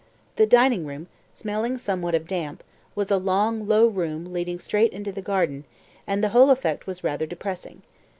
The dining room smelling somewhat of damp was a long, low room leading straight into the garden, and the whole effect was rather depressing.